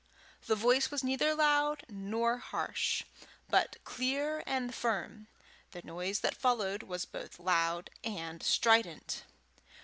The voice was neither loud nor harsh, but clear and firm; the noise that followed was both loud and strident.